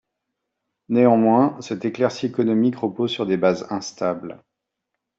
Néanmoins, cette éclaircie économique repose sur des bases instables.